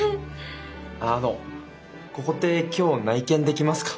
あのここって今日内見できますか？